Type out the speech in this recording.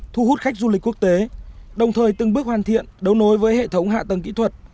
thu hút khách du lịch quốc tế đồng thời từng bước hoàn thiện đấu nối với hệ thống hạ tầng kỹ thuật